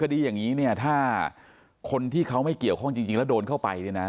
คดีอย่างนี้เนี่ยถ้าคนที่เขาไม่เกี่ยวข้องจริงแล้วโดนเข้าไปเนี่ยนะ